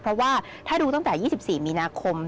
เพราะว่าถ้าดูตั้งแต่๒๔มีนาคม